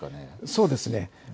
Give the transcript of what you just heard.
そうですね。